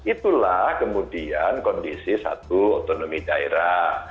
itulah kemudian kondisi satu otonomi daerah